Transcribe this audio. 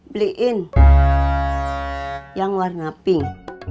beliin yang warna pink